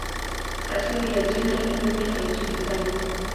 Asili ya jina "Ethiopia" haijulikani.